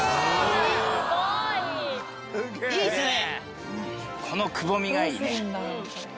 いいっすね！